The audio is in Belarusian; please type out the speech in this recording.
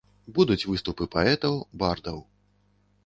Будуць выступы паэтаў, бардаў.